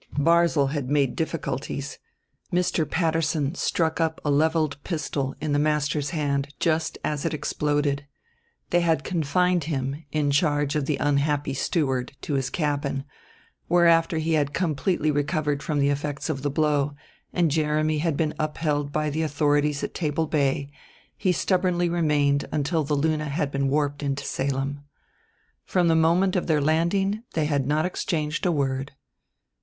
Barzil had made difficulties: Mr. Patterson struck up a leveled pistol in the master's hand just as it exploded. They had confined him, in charge of the unhappy steward, to his cabin; where, after he had completely recovered from the effects of the blow, and Jeremy had been upheld by the authorities at Table Bay, he stubbornly remained until the Luna had been warped into Salem. From the moment of their landing they had not exchanged a word.